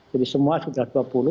jadi semua sudah dua puluh